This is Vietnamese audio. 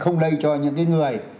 không lây cho những cái người